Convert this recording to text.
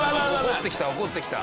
怒ってきた怒ってきた。